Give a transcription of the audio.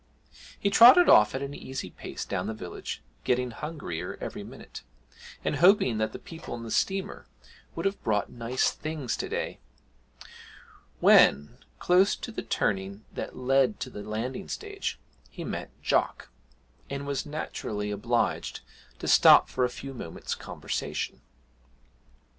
He trotted off at an easy pace down to the village, getting hungrier every minute, and hoping that the people on the steamer would have brought nice things to day, when, close to the turning that led to the landing stage, he met Jock, and was naturally obliged to stop for a few moments' conversation.